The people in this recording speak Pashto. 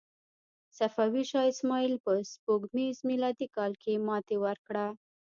صفوي شاه اسماعیل په سپوږمیز میلادي کال کې ماتې ورکړه.